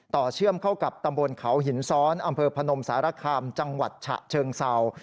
เชื่อมเข้ากับตำบลเขาหินซ้อนอำเภอพนมสารคามจังหวัดฉะเชิงเศร้า